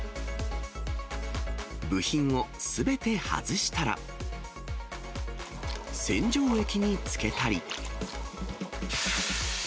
部品をすべて外したら、洗浄液につけたり。